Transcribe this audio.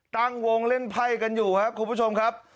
ตั้งวงเล่นไพ่กันอยู่ครับคุณผู้ชมครับ